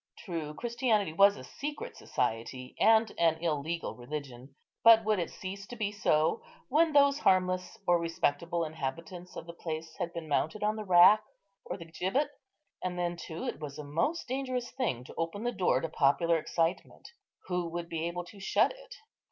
True, Christianity was a secret society, and an illegal religion; but would it cease to be so when those harmless or respectable inhabitants of the place had been mounted on the rack or the gibbet? And then, too, it was a most dangerous thing to open the door to popular excitement;—who would be able to shut it?